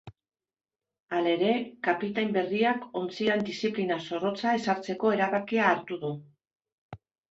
Halere, kapitain berriak ontzian diziplina zorrotza ezartzeko erabakia hartu du.